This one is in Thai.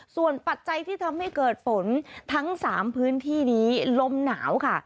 ส่วนปัจจัยที่ทำให้เกิดฝนทั้ง๓พื้นที่นี้ลมหนาวค่ะ